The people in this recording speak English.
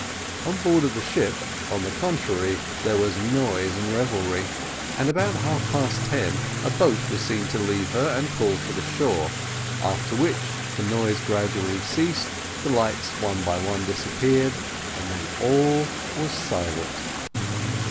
On board of the ship, on the contrary, there was noise and revelry; and about half past ten a boat was seen to leave her and pull for the shore; after which the noise gradually ceased, the lights one by one disappeared, and then all was silent.